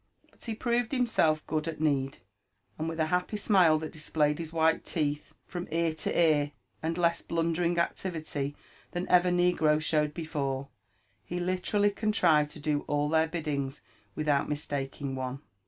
But he proved himself good at need, and with a happy smile that displayed his white teeth from ear to ear, and less blundering activity »i UFB AND ADVENTURES OF* than 6T6r negro showed before, he literally contrived to do all their biddings without mistaking one.